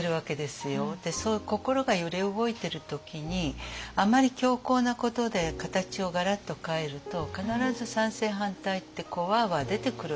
そういう心が揺れ動いてる時にあまり強硬なことで形をガラッと変えると必ず賛成反対ってわあわあ出てくるわけですよね。